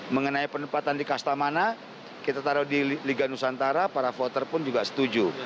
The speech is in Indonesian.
mengenai penempatan di kastamana kita taruh di liga nusantara para voter pun juga setuju